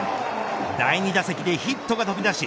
第２打席でヒットが飛び出し